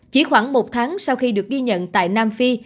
chỉ khoảng một tháng sau khi được ghi nhận tại nam phi